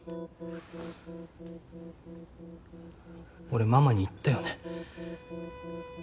俺ママに言ったよね。